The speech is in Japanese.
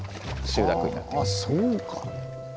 あそうか。